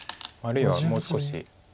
あるいはもう少し。